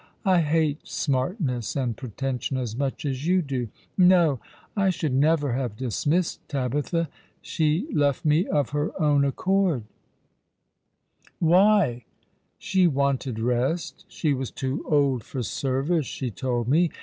I hate smartness and pretension as much as you do. No, I should never have dismissed Tabitha. She left me of her own accord." *^ A Love still burning ^ipward!' 8i "Why?" " She wanted rest. She was too old for service, she told me.